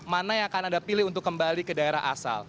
mana yang akan anda pilih untuk kembali ke daerah asal